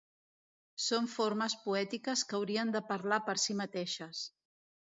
Són formes poètiques que haurien de parlar per si mateixes.